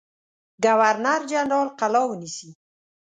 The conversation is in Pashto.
ګورنر جنرال قلا ونیسي.